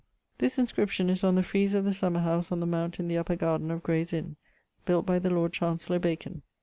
This inscription is on the freeze of the summer house on the mount in the upper garden of Grayes Inne, built by the Lord Chancellor Bacon.